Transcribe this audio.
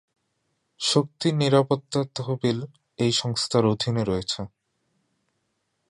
শক্তি নিরাপত্তা তহবিল এই সংস্থার অধীনে রয়েছে।